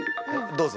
どうぞ。